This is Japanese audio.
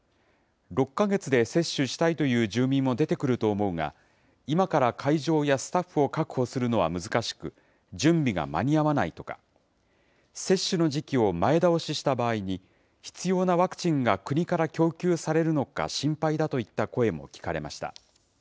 ６か月で接種したいという住民も出てくると思うが、今から会場やスタッフを確保するのは難しく、準備が間に合わないとか、接種の時期を前倒しした場合に、必要なワクチンが国から供給されるのか心配だといった声も聞かれました。